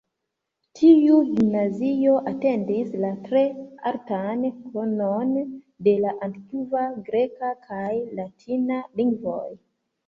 Tiu gimnazio atendis la tre altan konon de la antikva greka kaj latina lingvoj.